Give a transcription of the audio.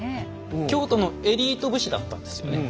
京都のエリート武士だったんですよね。